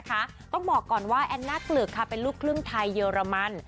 ต้องบอกก่อนว่าแอนน่าเกลือกค่ะเป็นลูกครึ่งไทยเยอรมัน